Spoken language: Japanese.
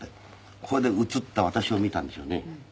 それで映った私を見たんでしょうね。